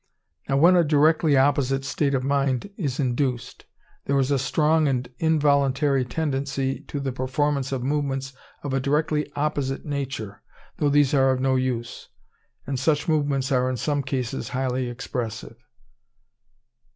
Now when a directly opposite state of mind is induced, there is a strong and involuntary tendency to the performance of movements of a directly opposite nature, though these are of no use; and such movements are in some cases highly expressive.